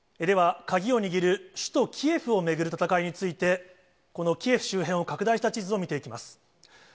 では、鍵を握る首都キエフを巡る戦いについて、このキエフ周辺を拡大した地図を見ていきます。